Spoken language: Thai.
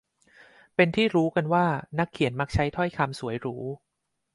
เป็นที่รู้กันว่านักเขียนมักใช้ถ้อยคำสวยหรู